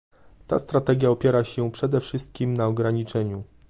Ta strategia opiera się przede wszystkim na ograniczeniu